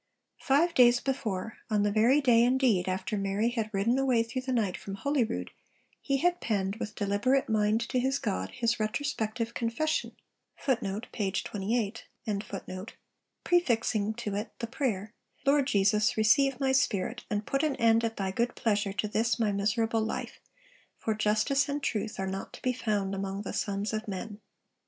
Five days before, on the very day, indeed, after Mary had ridden away through the night from Holyrood, he had penned, 'with deliberate mind to his God,' his retrospective confession, prefixing to it the prayer 'Lord Jesus, receive my spirit, and put an end, at thy good pleasure, to this my miserable life; for justice and truth are not to be found among the sons of men!'